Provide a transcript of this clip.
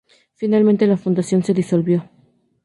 Finalmente la fundación se disolvió.